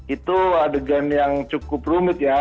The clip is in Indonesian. itu adegan yang cukup rumit ya